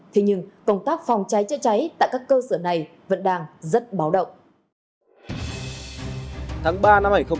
thế nhưng công tác phòng cháy chữa cháy tại các cơ sở này vẫn đang rất báo động